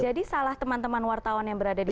jadi salah teman teman wartawan yang berada di sana